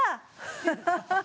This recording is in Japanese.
ハハハッ！